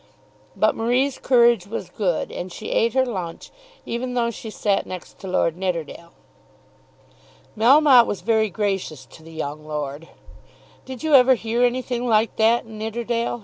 But Marie's courage was good, and she ate her lunch even though she sat next to Lord Nidderdale. Melmotte was very gracious to the young lord. "Did you ever hear anything like that, Nidderdale?"